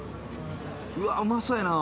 うわうまそうやなあ。